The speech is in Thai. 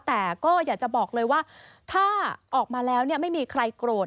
แต่ก็อยากจะบอกเลยว่าถ้าออกมาแล้วไม่มีใครโกรธ